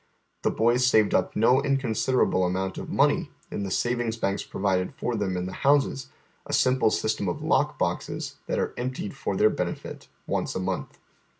The boys saved up no inconsiderable amount of money in the savings banks provided for them in the houses, a sim ple system of lock boxes that are emptied for their benefit once a month.